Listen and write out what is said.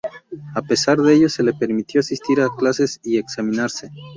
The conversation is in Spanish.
A pesar de ello se le permitió asistir a clases y examinarse.